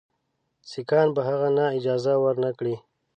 سیکهان به هغه ته اجازه ورنه کړي.